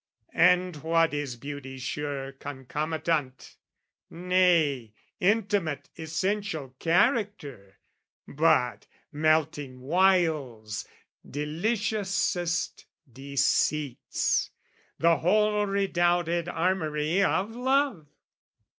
And what is beauty's sure concomitant, Nay, intimate essential character, But melting wiles, deliciousest deceits, The whole redoubted armoury of love?